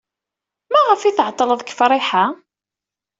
Maɣef ay tɛeḍḍled deg Friḥa?